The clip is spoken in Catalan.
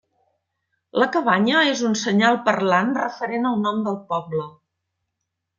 La cabanya és un senyal parlant referent al nom del poble.